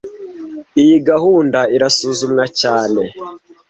Iyi gahunda irasuzumwa cyane